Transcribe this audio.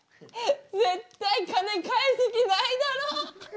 絶対金返す気ないだろ。